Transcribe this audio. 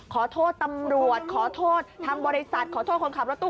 ขอโทษตำรวจขอโทษทางบริษัทขอโทษคนขับรถตู้